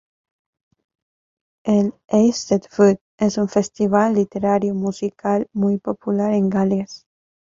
El Eisteddfod es un festival literario musical muy popular en Gales.